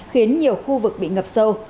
khiến nhiều khu vực bị ngập sâu